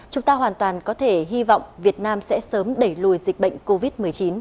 chúng ta hoàn toàn có thể hy vọng việt nam sẽ sớm đẩy lùi dịch bệnh covid một mươi chín